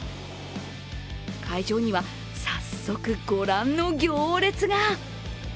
会場には早速、ご覧の行列が。